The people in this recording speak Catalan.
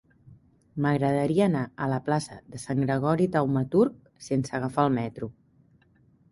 M'agradaria anar a la plaça de Sant Gregori Taumaturg sense agafar el metro.